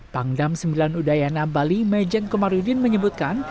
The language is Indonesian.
pangdam sembilan udayana bali mejeng komarudin menyebutkan